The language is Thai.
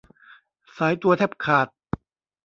สายตัวแทบขาด